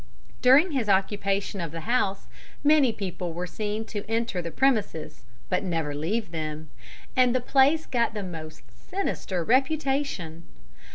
During his occupation of the house, many people were seen to enter the premises, but never leave them, and the place got the most sinister reputation.